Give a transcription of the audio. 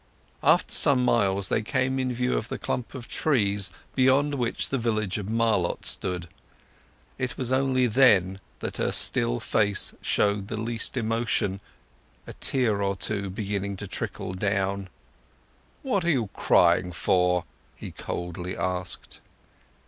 After some miles they came in view of the clump of trees beyond which the village of Marlott stood. It was only then that her still face showed the least emotion, a tear or two beginning to trickle down. "What are you crying for?" he coldly asked.